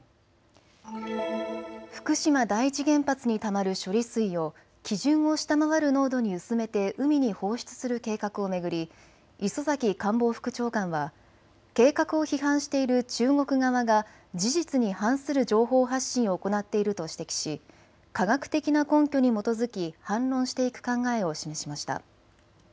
福島第一原発にたまる処理水を基準を下回る濃度に薄めて海に放出する計画を巡り磯崎官房副長官は計画を批判している中国側が事実に反する情報発信を行っていると指摘し科学的な根拠に基づき反論していく考えを示しました。